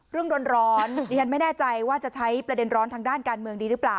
ร้อนดิฉันไม่แน่ใจว่าจะใช้ประเด็นร้อนทางด้านการเมืองดีหรือเปล่า